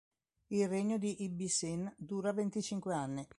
Il regno di Ibbi-Sin dura venticinque anni.